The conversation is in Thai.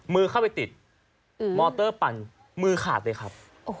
มือเข้าไปติดมอเตอร์ปั่นมือขาดเลยครับ